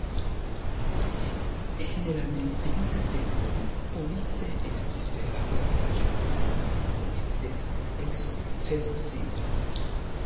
En la menciita tempo Police estis la posedaĵo de la urbanoj de Szczecin.